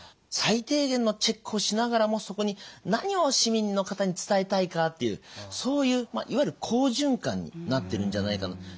最低限のチェックをしながらもそこに何を市民の方に伝えたいかっていうそういういわゆる好循環になってるんじゃないかな。